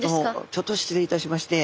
ちょっと失礼いたしまして。